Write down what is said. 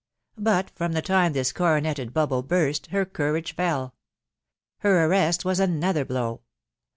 But from the time this ^oroneted bubble burai^ her^anr sge fdl. Her arrest was another blow.